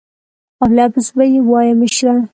او لفظ به یې وایه مشره.